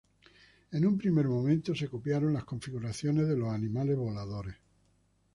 En un primer momento se copiaron las configuraciones de los animales voladores.